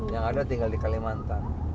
yang ada tinggal di kalimantan